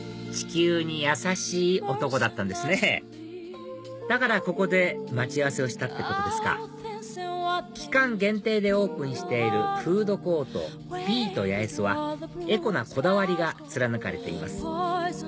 地球にやさしい男だったんですねだからここで待ち合わせをしたってことですか期間限定でオープンしているフードコートＢｅｅａｔ‼八重洲はエコなこだわりが貫かれています